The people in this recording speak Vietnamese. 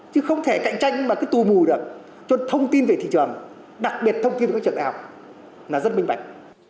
chứ không thể cạnh tranh mà cứ tù mù được cho thông tin về thị trường đặc biệt thông tin về các trường đại học là rất minh mạch